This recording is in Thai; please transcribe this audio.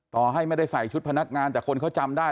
ต่อให้ไม่ได้ใส่ชุดพนักงานแต่คนเขาจำได้